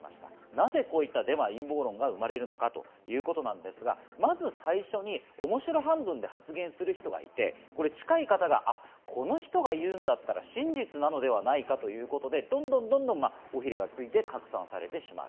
なぜデマ・陰謀論が生まれるのかですが、面白半分で発言する人がいて、近い方がこの人が言うんだったら真実なのではないかということで、尾ひれがついて拡散されてしまう。